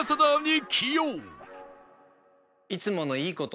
いつもの“いいこと”。